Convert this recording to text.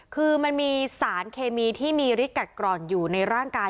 คือมันมีสารเคมีที่มีฤทธิกัดกร่อนอยู่ในร่างกาย